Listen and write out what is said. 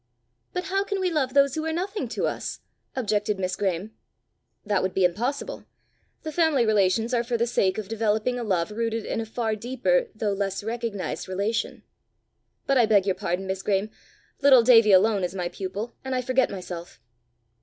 "But how can we love those who are nothing to us?" objected Miss Graeme. "That would be impossible. The family relations are for the sake of developing a love rooted in a far deeper though less recognized relation. But I beg your pardon, Miss Graeme. Little Davie alone is my pupil, and I forget myself."